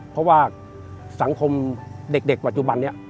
เพราะว่าสังคมเด็กปัจจุบันนี้